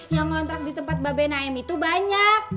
yang ngontrak di tempat babe naim itu banyak